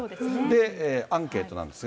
で、アンケートなんですが。